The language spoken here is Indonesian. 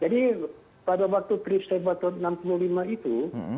jadi pada waktu peristiwa tahun seribu sembilan ratus enam puluh lima itu